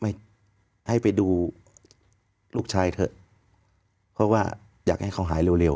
ไม่ให้ไปดูลูกชายเถอะเพราะว่าอยากให้เขาหายเร็ว